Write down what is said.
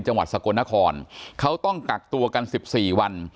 จังหวัดสกลนครเขาต้องกักตัวกัน๑๔วัน